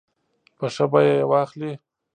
په ښه بیه یې واخلي.